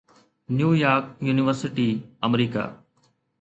نيو York University, آمريڪا